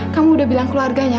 kamu udah bilang keluarganya